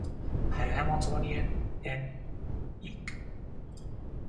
The Hamiltonian in Eq.